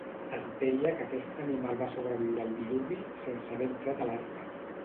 Es deia que aquest animal va sobreviure al Diluvi sense haver entrat a l'Arca.